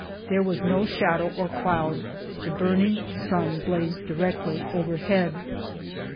There was no shadow or cloud, the burning sun blazing directly overhead.